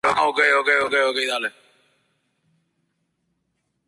Let's Go The Anthology" fue reeditado.